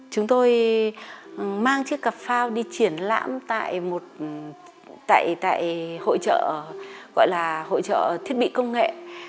chúng tôi mang chiếc cặp phao đi triển lãm tại hội trợ thiết bị công nghệ